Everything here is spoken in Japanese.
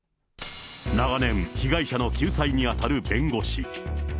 長年、被害者の救済にあたる弁護士。